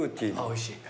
おいしい。